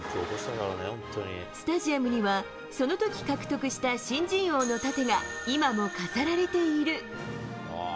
スタジアムには、そのとき獲得した新人王の盾が今も飾られている。